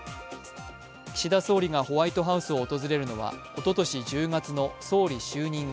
岸田総理がホワイトハウスを訪れるのはおととし１０月の総理就任後